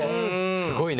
すごいね。